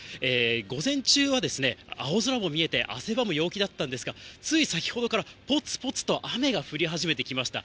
午前中は青空も見えて汗ばむ陽気だったんですが、つい先ほどから、ぽつぽつと雨が降り始めてきました。